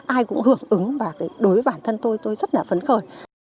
ai cũng hưởng ứng và đối với bản thân tôi tôi rất là phấn khởi